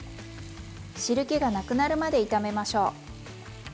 汁けがなくなるまで炒めましょう。